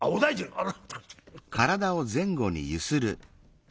あら」。